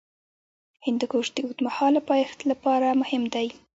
هندوکش د اوږدمهاله پایښت لپاره مهم دی.